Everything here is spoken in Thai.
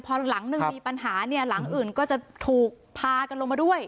พอหลังหนึ่งมีปัญหาเนี่ยหลังอื่นก็จะถูกพากันลงมาด้วย